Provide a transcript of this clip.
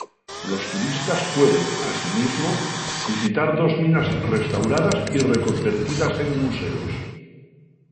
Los turistas pueden, asimismo, visitar dos minas restauradas y reconvertidas en museos.